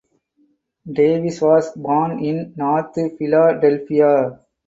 Davis was born in North Philadelphia.